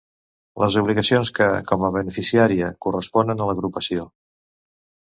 Les obligacions que, com a beneficiària, corresponen a l'agrupació.